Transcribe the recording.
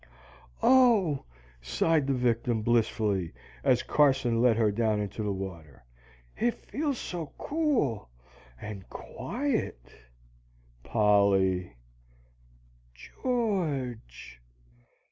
"Oh," sighed the victim, blissfully, as Carson let her down into the water, "it feels so cool and quiet!" "Polly!" "George!"